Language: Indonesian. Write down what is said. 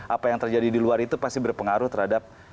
apa yang terjadi di luar itu pasti berpengaruh terhadap